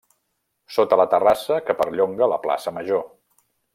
Sota la terrassa que perllonga la Plaça Major.